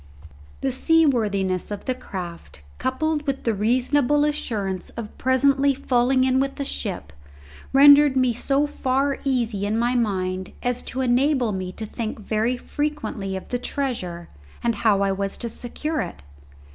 The seaworthiness of the craft, coupled with the reasonable assurance of presently falling in with a ship, rendered me so far easy in my mind as to enable me to think very frequently of the treasure and how I was to secure it.